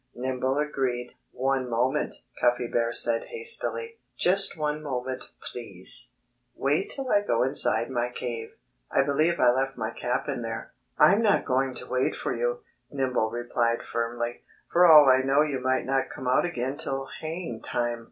Nimble agreed. "One moment!" Cuffy Bear said hastily. "Just one moment, please! Wait till I go inside my cave! I believe I left my cap in there." "I'm not going to wait for you," Nimble replied firmly. "For all I know you might not come out again till haying time."